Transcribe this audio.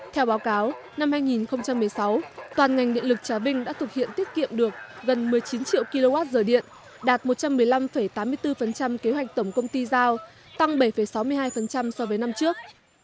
theo báo cáo năm hai nghìn một mươi sáu toàn ngành điện lực trà vinh đã thực hiện tiết kiệm được gần một mươi chín triệu kwh điện đạt một trăm một mươi năm tám mươi bốn kế hoạch tổng công ty giao tăng bảy sáu mươi hai so với năm trước